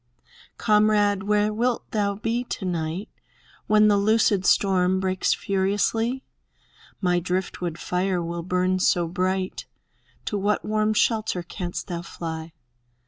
Comrade, where wilt thou be to night When the loosed storm breaks furiously? My driftwood fire will burn so bright! To what warm shelter canst thou fly?